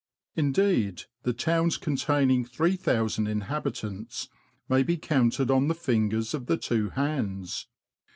Indeed, the towns containing 3000 inhabitants may be counted on the fingers of the two hands.